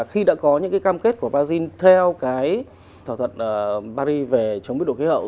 khi đã có những cam kết của brazil theo thỏa thuận paris về chống biến đổi khí hậu